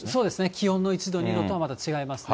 気温の１度、２度とはまた違いますね。